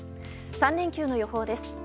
３連休の予報です。